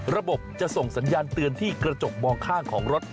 ระบบจะส่งสัญญาณเตือนที่กระจกมองข้างของรถ